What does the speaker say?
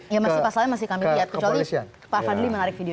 ya pasalnya masih kami lihat kecuali pak fadli menarik video